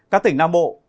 các tỉnh nam bộ